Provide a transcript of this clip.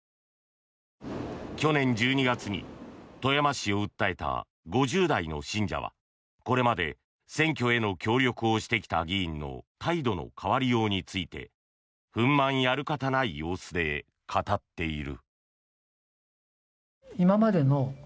去年１２月に富山市を訴えた５０代の信者はこれまで選挙への協力をしてきた議員の態度の変わりようについて憤まんやるかたない様子で語っている。